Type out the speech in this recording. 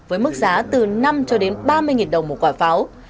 với mức giá từ năm cho đến ba mươi đồng một quả pháo